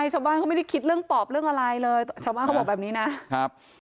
ชาวบ้านเขาไม่ได้คิดเรื่องปอบเรื่องอะไรเลยชาวบ้านเขาบอกแบบนี้นะครับ